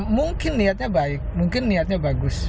mungkin niatnya baik mungkin niatnya bagus